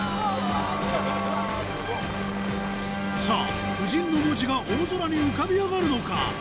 さぁ「夫人」の文字が大空に浮かび上がるのか？